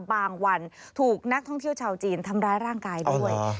วันถูกนักท่องเที่ยวชาวจีนทำร้ายร่างกายด้วย